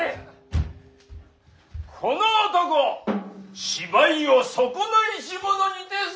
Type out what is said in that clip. この男芝居を損ないし者にて候。